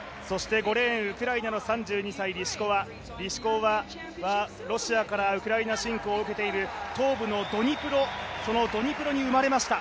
５レーン、ウクライナの３２歳、リシコワロシアからウクライナ侵攻を受けている東部のドニプロ、そのドニプロに生まれました。